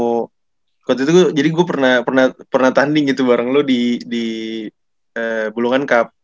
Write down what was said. waktu itu jadi gue pernah tanding gitu bareng lo di bulungan cup